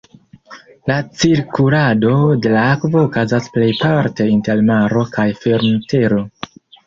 La cirkulado de la akvo okazas plejparte inter maro kaj firmtero.